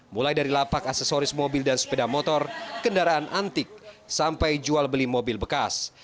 mulai dari lapak aksesoris mobil dan sepeda motor kendaraan antik sampai jual beli mobil bekas